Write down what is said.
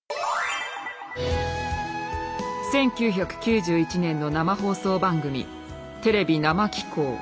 １９９１年の生放送番組「テレビ生紀行」。